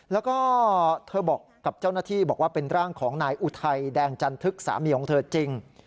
แล้วก็เธอบอกกับเจ้าหน้าที่บอกว่าเป็นร่างของนายอุทัยแดงจันทึกสามีของเธอจริง